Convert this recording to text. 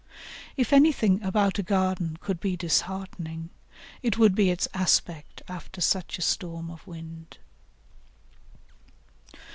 If anything about a garden could be disheartening, it would be its aspect after such a storm of wind.